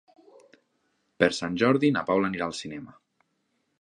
Per Sant Jordi na Paula anirà al cinema.